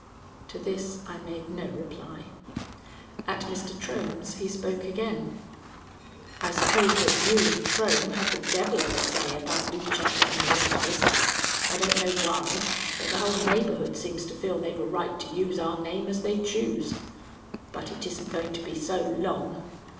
To this I made no reply. At Mr. Trohm's he spoke again: "I suppose that you and Trohm had the devil of a say about Lucetta and the rest of us. I don't know why, but the whole neighborhood seems to feel they've a right to use our name as they choose. But it isn't going to be so, long.